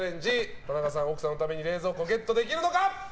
田中さん、奥さんのために冷蔵庫ゲットできるのか。